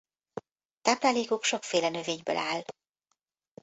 Táplálékuk sokféle növényből áll.